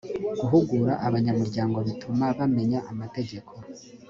guhugura abanyamuryango bituma bamenya amategeko